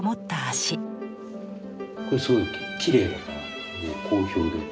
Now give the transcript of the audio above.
これすごいきれいだから好評で。